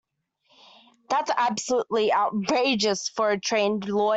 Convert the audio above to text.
That's absolutely outrageous for a trained lawyer.